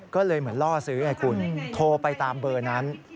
ก็เลยเหมือนล่อซื้อไงคุณโทรไปตามเบอร์นั้น